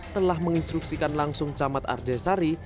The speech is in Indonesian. telah menginstruksikan langsung camat ardesari